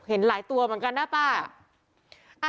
เห็นหลายตัวเหรอนะป้า